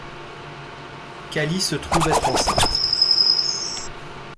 Callie se trouve être enceinte.